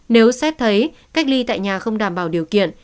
nếu xét thấy cách ly tại nhà không đảm bảo điều kiện